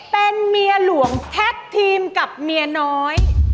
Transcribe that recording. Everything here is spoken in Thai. เป็นเมียหลวงแท็กทีมกับเมียน้อย